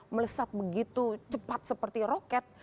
melesat begitu cepat seperti roket